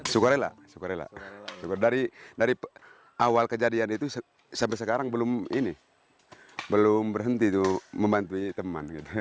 sekarang dari awal kejadian itu sampai sekarang belum berhenti membantu teman